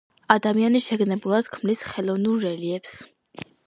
ადამიანი შეგნებულად ქმნის ხელოვნურ რელიეფს